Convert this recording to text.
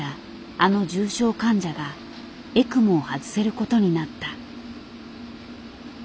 あの重症患者がエクモを外せることになった。